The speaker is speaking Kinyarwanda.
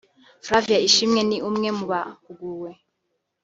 Flavia Ishimwe ni umwe mu bahuguwe